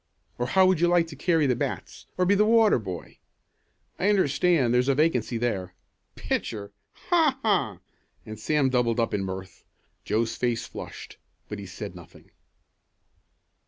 Or how would you like to carry the bats or be the water boy? I understand there's a vacancy there. Pitcher! Ha! Ha!" and Sam doubled up in mirth. Joe's face flushed, but he said nothing.